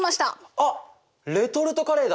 あっレトルトカレーだ！